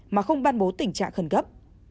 mà không ban bố tình trạng khẩn cấp